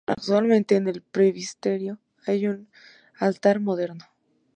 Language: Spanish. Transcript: Actualmente, en el presbiterio, hay un altar moderno.